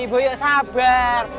bu yuk sabar